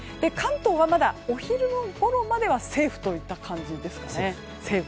関東はまだお昼ごろまではセーフといった感じですね。